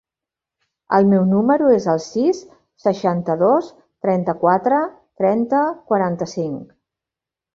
El meu número es el sis, seixanta-dos, trenta-quatre, trenta, quaranta-cinc.